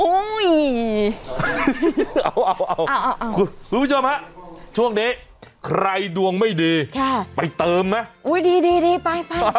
โอ้ยเอาคุณผู้ชมฮะช่วงนี้ใครดวงไม่ดีไปเติมมั้ยอุ้ยดีไป